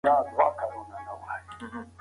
تاسي باید په خپله ځواني کي د خپل ایمان ساتنه وکړئ.